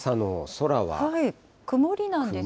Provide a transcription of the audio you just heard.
曇りなんですよね。